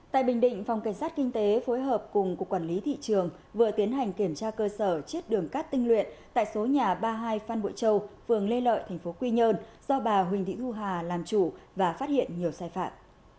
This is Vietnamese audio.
tại bình định phòng cảnh sát kinh tế phối hợp cùng cục quản lý thị trường vừa tiến hành kiểm tra cơ sở chiết đường cát tinh luyện tại số nhà ba mươi hai phan bội châu phường lê lợi tp quy nhơn do bà huỳnh thị thu hà làm chủ và phát hiện nhiều sai phạm